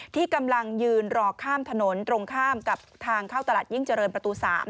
ที่กำลังยืนรอข้ามถนนตรงข้ามกับทางเข้าตลาดยิ่งเจริญประตู๓